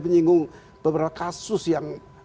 mengatakan beberapa kasus yang